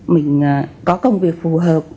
mình có công việc phù hợp